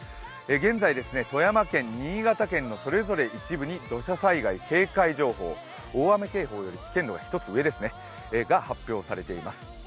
現在、富山県、新潟県のそれぞれ一部に土砂災害警戒情報大雨警報より危険度が１つ上ですね発表されています。